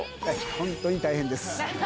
本当に大変です。